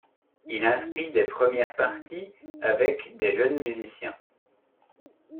Il inscrit des premières parties avec des jeunes musiciens.